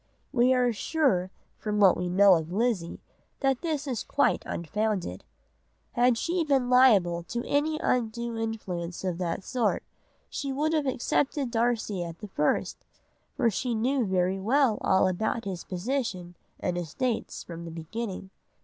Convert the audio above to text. We are sure from what we know of Lizzie, that this is quite unfounded. Had she been liable to any undue influence of that sort, she would have accepted Darcy at the first, for she knew very well all about his position and estates from the beginning.